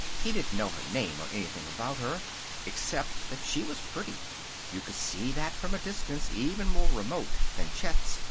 He didn't know her name or anything about her, except that she was pretty. You could see that from a distance even more remote than Chet's.